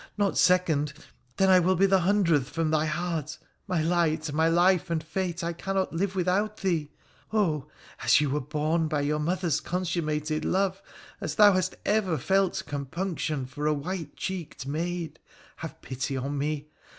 Not second ! then I will be the hundredth from thy heart ! My light, my life and fate, I cannot live without thee. Oh ! as you were born by your mother's consummated love, as thou hast ever felt compunction for a white cheeked maid, have pity on me